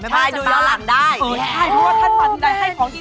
ใช่ดูอย่างหลังได้